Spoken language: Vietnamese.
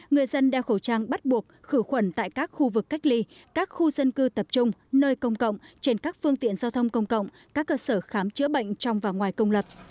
người dân đeo khẩu trang bắt buộc khử khuẩn tại các khu vực cách ly các khu dân cư tập trung nơi công cộng trên các phương tiện giao thông công cộng các cơ sở khám chữa bệnh trong và ngoài công lập